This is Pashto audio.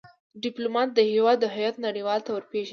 ډيپلومات د هیواد هویت نړېوالو ته ور پېژني.